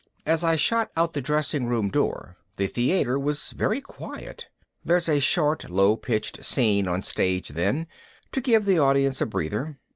As I shot out the dressing room door the theater was very quiet. There's a short low pitched scene on stage then, to give the audience a breather.